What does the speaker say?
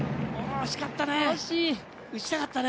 惜しかったね。